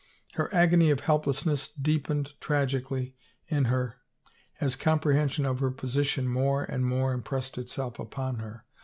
Her agony of helplessness deepened tragic ally in her as comprehension of her position more and more impressed itself upon her.